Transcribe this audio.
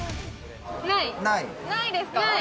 ・ないですか？